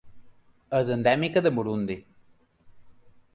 És endèmica de Burundi.